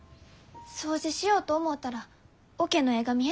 掃除しようと思うたら桶の絵が見えたき。